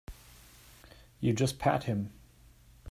You just pat him.